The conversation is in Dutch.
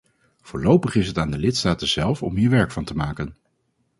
Voorlopig is het aan de lidstaten zelf om hier werk van te maken.